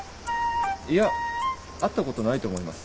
いや会ったことないと思います。